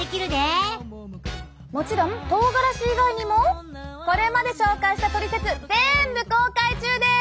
もちろんとうがらし以外にもこれまで紹介したトリセツぜんぶ公開中です！